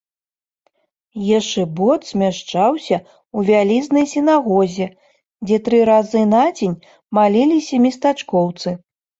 Ешыбот змяшчаўся ў вялізнай сінагозе, дзе тры разы на дзень маліліся местачкоўцы.